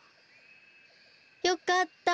よかった。